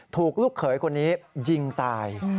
ลูกเขยคนนี้ยิงตาย